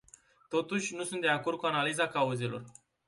Totuși, nu sunt de acord cu analiza cauzelor.